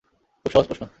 খুব সহজ প্রশ্ন।